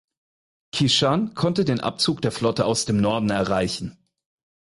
Qishan konnte den Abzug der Flotte aus dem Norden erreichen.